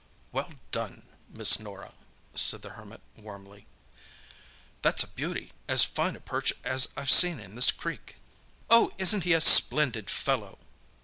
"Well done, Miss Norah," said the Hermit warmly. "That's a beauty—as fine a perch as I've seen in this creek." "Oh, isn't he a splendid fellow!"